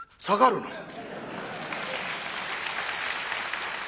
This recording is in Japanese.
下がるの。